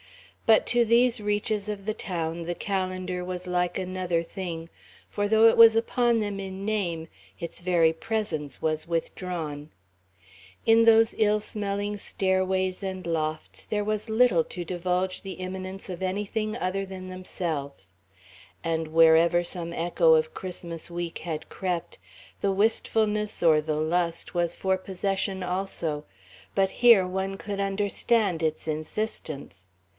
But to these reaches of the town the calendar was like another thing, for though it was upon them in name, its very presence was withdrawn. In those ill smelling stairways and lofts there was little to divulge the imminence of anything other than themselves. And wherever some echo of Christmas Week had crept, the wistfulness or the lust was for possession also; but here one could understand its insistence.